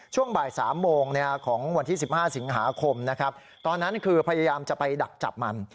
ช่วงบ่าย๓โมงของวันที่๑๕สิงหาคมนะครับตอนนั้นคือพยายามจะไปดักจับมัน